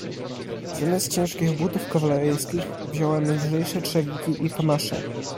"Zamiast ciężkich butów kawaleryjskich, wziąłem lżejsze trzewiki i kamasze."